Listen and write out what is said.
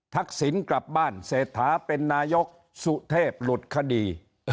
ศิลป์กลับบ้านเศรษฐาเป็นนายกสุเทพหลุดคดี